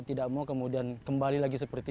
tidak mau kemudian kembali lagi seperti